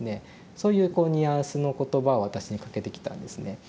そういうこうニュアンスの言葉を私にかけてきたんですね。